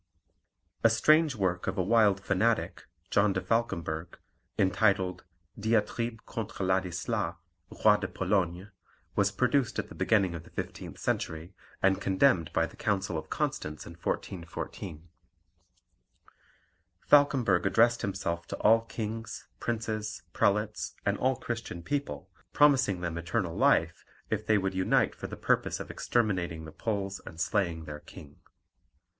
A strange work of a wild fanatic, John de Falkemberg, entitled Diatribe contre Ladislas, Roi de Pologne, was produced at the beginning of the fifteenth century, and condemned by the Council of Constance in 1414. Falkemberg addressed himself to all kings, princes, prelates, and all Christian people, promising them eternal life, if they would unite for the purpose of exterminating the Poles and slaying their king.